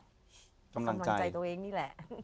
กำลังใจตัวเองนี่แหละ